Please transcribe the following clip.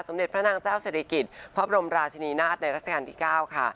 สำเร็จพระนางเจ้าเสรกิตพระบรมราชนีนาฏในรัฐกาศน์ที่๙ค่ะ